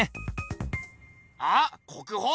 あっ国宝？